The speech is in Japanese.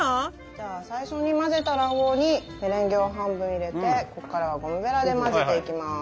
じゃあ最初に混ぜた卵黄にメレンゲを半分入れてここからはゴムベラで混ぜていきます。